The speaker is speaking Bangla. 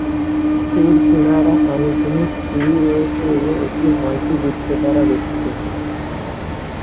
এর কিনারা আনুভূমিক সিড়ি রয়েছে এবং এটি নয়টি বৃত্তের দ্বারা গঠিত।